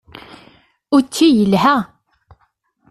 Učči yelha.